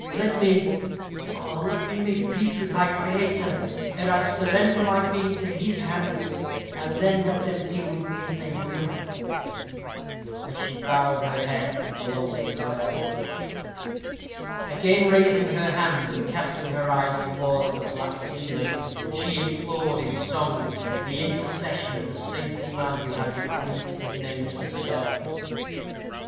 Let me, oh! let me make my peace with my Creator, ere I surrender my being to His hands, and then let them deal with me as they will." And she bowed her head in lowly prayer. Again raising her hands, and casting her eyes towards the black ceiling, she implored, in song, the intercession of the saintly man who had bequeathed his name to the cell.